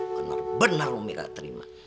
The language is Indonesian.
benar benar umi gak terima